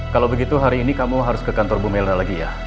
kalau begitu hari ini kamu harus ke kantor bu melna lagi ya